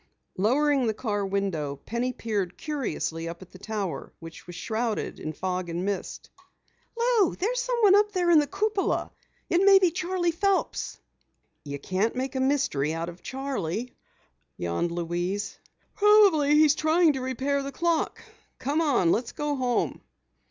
Lowering the car window, Penny peered curiously up at the tower which was shrouded in fog and mist. "Lou, there's someone up there in the cupola! It may be Charley Phelps!" "You can't make a mystery out of Charley," yawned Louise. "Probably he's trying to repair the clock. Come on, let's get home."